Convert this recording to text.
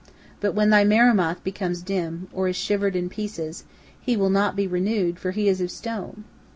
But when thy Marumath becomes dim, or is shivered in pieces, he will not be renewed, for he is of stone.